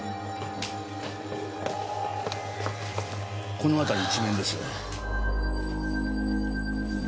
この辺り一面です。